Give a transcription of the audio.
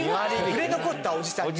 売れ残ったおじさん